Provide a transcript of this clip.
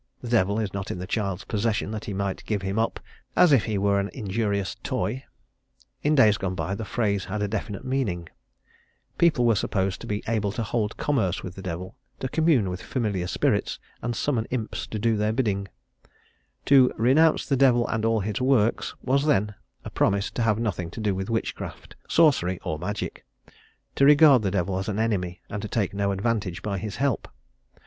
The devil is not in the child's possession that he might give him up as if he were an injurious toy. In days gone by the phrase had a definite meaning; people were supposed to be able to hold commerce with the devil, to commune with familiar spirits, and summon imps to do their bidding; to "renounce the devil and all his works" was then a promise to have nothing to do with witchcraft, sorcery, or magic; to regard the devil as an enemy, and to take no advantage by his help.